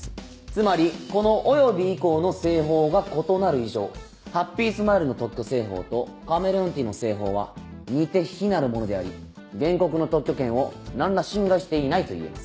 つまりこの「および」以降の製法が異なる以上ハッピースマイルの特許製法とカメレオンティーの製法は似て非なるものであり原告の特許権を何ら侵害していないといえます。